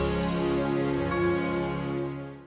sini kita balik lagi